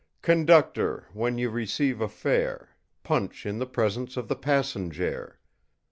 Conductor, when you receive a fare, Punch in the presence of the passenjare!